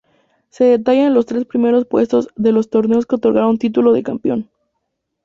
Se detallan los tres primeros puestos de los torneos que otorgaron título de campeón.